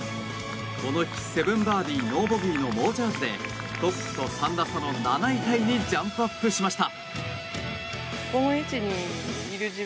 この日７バーディー、ノーボギーの猛チャージでトップと３打差の７位タイにジャンプアップしました。